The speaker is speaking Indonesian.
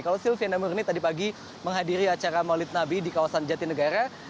kalau silviana murni tadi pagi menghadiri acara maulid nabi di kawasan jatinegara